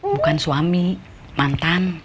bukan suami mantan